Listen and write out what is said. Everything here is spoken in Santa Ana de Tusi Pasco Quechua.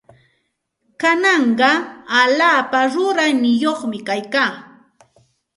Kanaqa allaapa rurayyuqmi kaykaa.